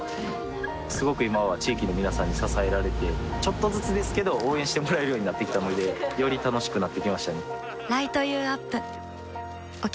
すごく今は地域の皆さんに支えられてちょっとずつですけど応援してもらえるようになってきたのでより楽しくなってきましたね